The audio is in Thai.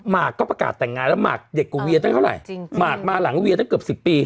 หกก็ประกาศแต่งงานแล้วหมากเด็กกว่าเวียตั้งเท่าไหร่จริงหมากมาหลังเวียตั้งเกือบสิบปี